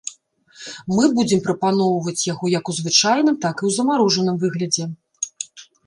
Мы будзем прапаноўваць яго як у звычайным, так і ў замарожаным выглядзе.